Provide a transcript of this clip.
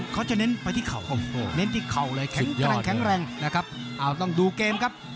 เขาจะเน้นไปที่เข่าเน้นที่เข่าเลยอ๋อววตรงดูเกมครับ